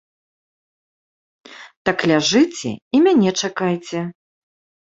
Так ляжыце і мяне чакайце.